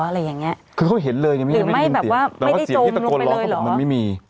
อะไรอย่างเงี้ยคือเขาเห็นเลยไงไม่ได้ยินเสียงหรือไม่แบบว่าไม่ได้จมลงไปเลยหรอแต่ว่าเสียงที่ตะโกนร้องของผมมันไม่มี